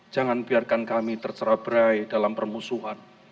jangan biarkan kami tercera beraih dalam permusuhan